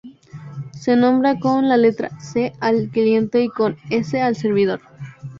Se nombra con la letra C al cliente y con S al servidor.